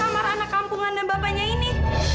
kamar anak kampungan dan bapaknya ini